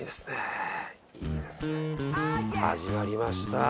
始まりました。